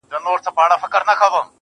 د يار غمو په مخه کړی دا دی کال وهي,